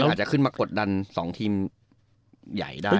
อาจจะขึ้นมากดดัน๒ทีมใหญ่ได้